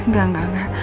gak gak gak